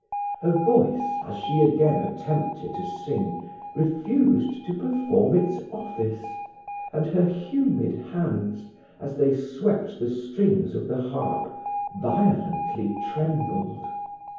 Her voice, as she again attempted to sing, refused to perform its office; and her humid hands, as they swept the strings of the harp, violently trembled.